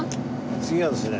次はですね。